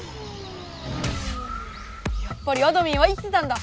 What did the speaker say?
やっぱりあどミンは生きてたんだ！